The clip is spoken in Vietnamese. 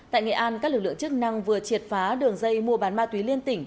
tại nghệ an các lực lượng chức năng vừa triệt phá đường dây mua bán ma túy liên tỉnh